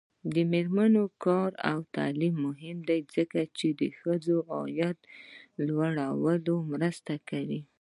د میرمنو کار او تعلیم مهم دی ځکه چې ښځو عاید لوړولو مرسته ده.